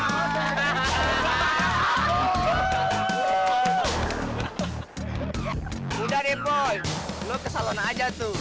mudah deh boy lo ke salon aja tuh